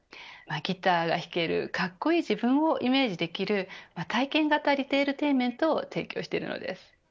ギターが弾ける格好いい自分をイメージできる体験型リテールテインメントを提供しているのです。